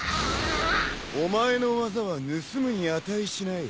お前の技は盗むに値しない。